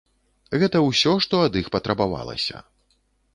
Гэта ўсё, што ад іх патрабавалася.